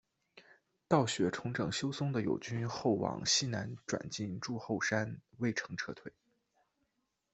道雪重整休松的友军后往西南转进筑后山隈城撤退。